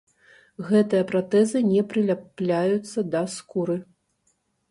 Гэтыя пратэзы не прыляпляюцца да скуры.